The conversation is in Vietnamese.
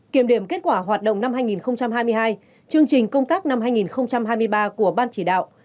kiểm điểm kết quả hoạt động năm hai nghìn hai mươi hai chương trình công tác năm hai nghìn hai mươi ba của ban chỉ đạo